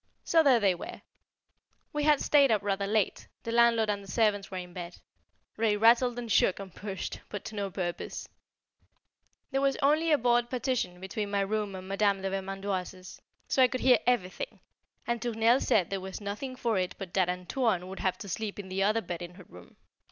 So there they were. We had stayed up rather late; the landlord and the servants were in bed. They rattled and shook and pushed, but to no purpose. [Sidenote: A Misadventure] There was only a board partition between my room and Madame de Vermandoise's, so I could hear everything, and Tournelle said there was nothing for it but that "Antoine" would have to sleep in the other bed in her room.